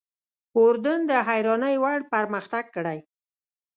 اردن د حیرانۍ وړ پرمختګ کړی.